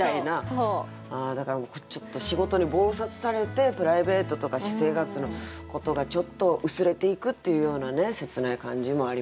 だからもうちょっと仕事に忙殺されてプライベートとか私生活のことがちょっと薄れていくっていうようなね切ない感じもあります。